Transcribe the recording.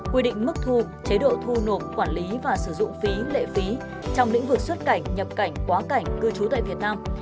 quy định mức thu chế độ thu nộp quản lý và sử dụng phí lệ phí trong lĩnh vực xuất cảnh nhập cảnh quá cảnh cư trú tại việt nam